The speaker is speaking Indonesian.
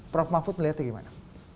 prof mahfud melihatnya gimana